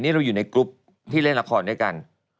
นี่เราอยู่ในกรุ๊ปที่เล่นละครด้วยกัน